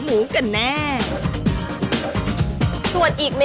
หมู๒ตัว